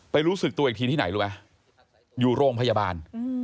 รู้สึกตัวอีกทีที่ไหนรู้ไหมอยู่โรงพยาบาล